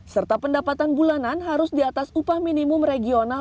serta pendapatan bulanan harus di atas upah minimum regional